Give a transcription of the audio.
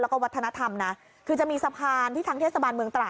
และเวทธนธรรมนะ